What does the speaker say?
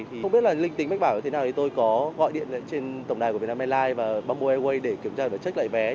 thì không biết là linh tính bách bảo như thế nào thì tôi có gọi điện trên tổng đài của vietnam airlines và bamboo airways để kiểm tra và check lại vé